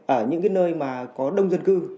ở những cái nơi mà có đông dân cư